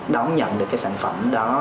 đón nhận được cái sản phẩm đó